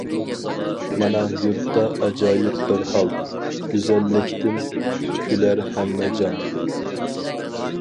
مانا يۇرتتا ئاجايىپ بىر ھال، گۈزەللىكتىن كۈلەر ھەممە جان.